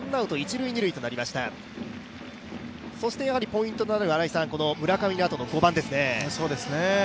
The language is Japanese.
ポイントとなるのは村上のあとの５番ですね。